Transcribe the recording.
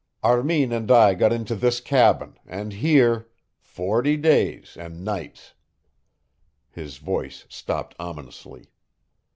Armin and I got into this cabin, and here forty days and nights " His voice stopped ominously.